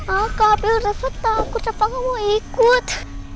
oh kapil revet takut siapa mau ikut